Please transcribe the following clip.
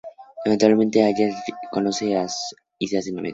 Eventualmente ella y Dallas se conocen y se hacen amigos.